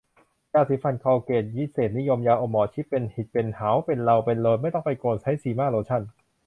ยาสีฟันคอลเกต วิเศษนิยม ยาอมหมอชิต เป็นหิดเป็น เหา เป็นเลาเป็นโลน ไม่ต้องไปโกน ใช้ซีม่าโลชั่น